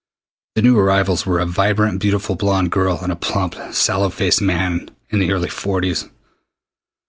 The new arrivals were a vibrantly beautiful blond girl and a plump, sallow faced man in the early forties.